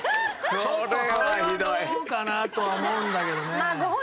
ちょっとそれはどうかな？とは思うんだけどね。